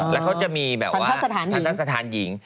แล้วเขาจะมีแบบว่าทันทะสถานหญิง